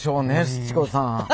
すち子さん。